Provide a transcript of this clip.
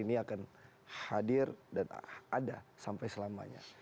ini akan hadir dan ada sampai selamanya